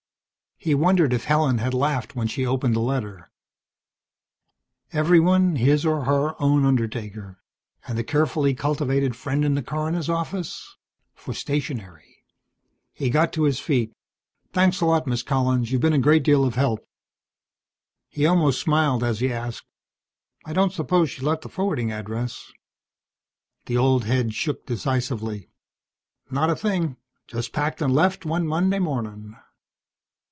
He wondered if Helen had laughed when she opened the letter. Everyone his, or her, own undertaker. And the carefully cultivated friend in the coroner's office. For stationery. He got to his feet. "Thanks a lot, Miss Collins. You've been a great deal of help." He almost smiled as he asked, "I don't suppose she left a forwarding address?" The old head shook decisively. "Not a thing. Just packed and left, one Monday morning."